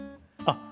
あっ。